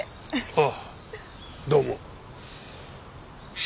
ああどうも。